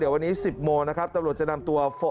วันนี้๑๐โมงนะครับตำรวจจะนำตัว